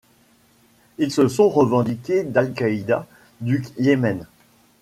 Ils se sont revendiqués d'Al-Qaïda du Yémen.